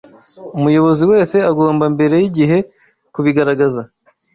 umuyobozi wese agomba mbere y'igihe kubigaragaza